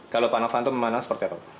kalau pak novanto memandang seperti apa